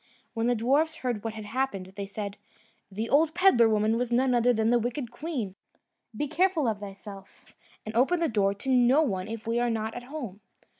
When the dwarfs heard what had happened, they said, "The old pedlar woman was none other than the wicked queen. Be careful of thyself, and open the door to no one if we are not at home."